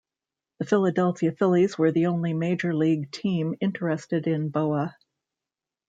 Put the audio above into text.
The Philadelphia Phillies were the only Major League team interested in Bowa.